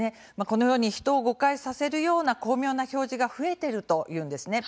このように人を誤解させるような巧妙な表示が増えているというんですね。